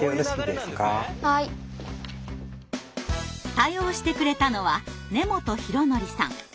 対応してくれたのは根本浩典さん。